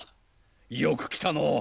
よく来たのう。